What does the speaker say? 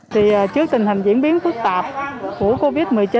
thì trước tình hình diễn biến phức tạp của covid một mươi chín